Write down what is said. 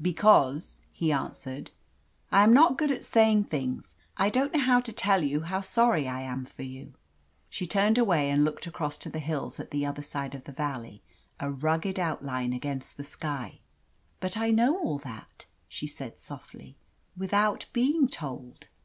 "Because," he answered, "I am not good at saying things. I don't know how to tell you how sorry I am for you." She turned away and looked across to the hills at the other side of the valley, a rugged outline against the sky. "But I know all that," she said softly, "without being told."